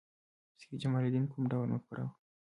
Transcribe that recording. سید جمال الدین کوم ډول مفکر و؟